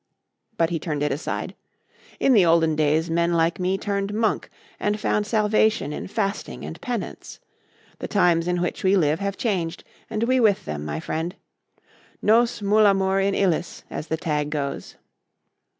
But he turned it aside. "In the olden days, men like me turned monk and found salvation in fasting and penance. The times in which we live have changed and we with them, my friend. Nos mulamur in illis, as the tag goes."